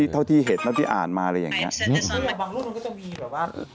เท่าที่เห็นตระที่อ่านมาเลยทั้งหลังนี้คือบางลูกนั้นก็จะมีหรือว่า